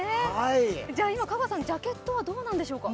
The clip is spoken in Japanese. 今、香川さん、ジャケットはどうなんでしょうか。